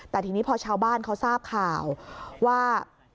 แต่ทีนี้พอชาวบ้านเขาทราบข่าวว่า